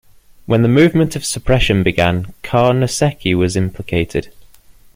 When the movement of suppression began, Carnesecchi was implicated.